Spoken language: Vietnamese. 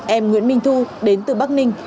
em nguyễn minh thu đến từ bắc ninh